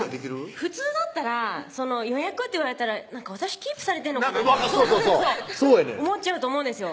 普通だったら「予約」って言われたら私キープされてんのかなってそうそうそうやねん思っちゃうと思うんですよ